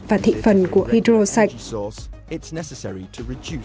và thị phần của hydro sạch